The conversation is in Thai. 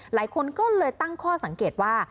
หลายคนก็เลยตั้งข้อสังเกตว่า